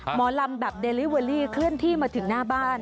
หมอลำแบบเดลิเวอรี่เคลื่อนที่มาถึงหน้าบ้าน